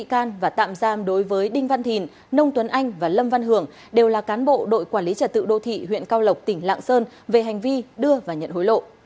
công an tỉnh lạng sơn và tạm giam đối với đinh văn thìn nông tuấn anh và lâm văn hưởng đều là cán bộ đội quản lý trật tự đô thị huyện cao lộc tỉnh lạng sơn về hành vi đưa và nhận hối lộ